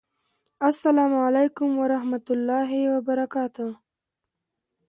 اسلام اعلیکم ورحمت الله وبرکاته